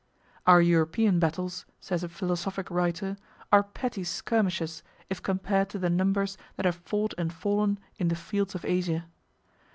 Our European battles, says a philosophic writer, 20 are petty skirmishes, if compared to the numbers that have fought and fallen in the fields of Asia.